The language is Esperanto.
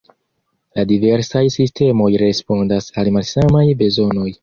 La diversaj sistemoj respondas al malsamaj bezonoj.